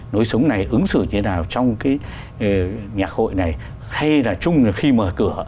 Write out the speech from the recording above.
nỗi sống này ứng xử như thế nào trong cái nhạc hội này hay là trung khi mở cửa